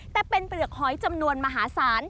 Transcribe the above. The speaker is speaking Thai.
แต่เป็นเปลือกหอยจำนวนมหาศาล